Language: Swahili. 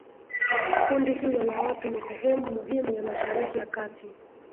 kundi hilo la watu ni sehemu muhimu ya mashariki ya kati